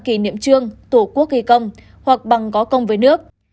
kỷ niệm trương tổ quốc ghi công hoặc bằng có công với nước